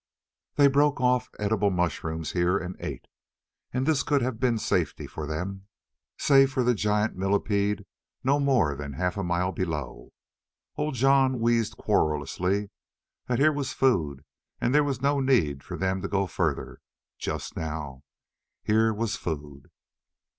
They broke off edible mushrooms here and ate. And this could have been safety for them save for the giant millipede no more than half a mile below. Old Jon wheezed querulously that here was food and there was no need for them to go further, just now. Here was food....